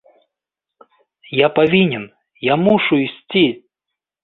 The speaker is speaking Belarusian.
Я павінен, я мушу ісці!